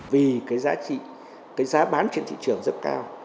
vì cái giá bán trên thị trường rất cao